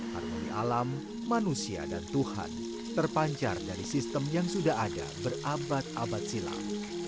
harmoni alam manusia dan tuhan terpancar dari sistem yang sudah ada berabad abad silam